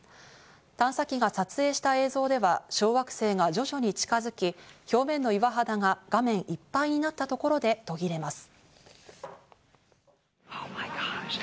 探査機が撮影した映像では小惑星が徐々に近づき、表面の岩肌が画面いっぱいになったところで途切れます。